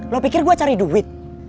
lu pikir gua cari duit